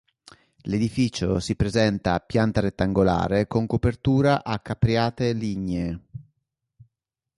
L'edificio si presenta a pianta rettangolare con copertura a capriate lignee.